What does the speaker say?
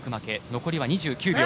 残りは２９秒。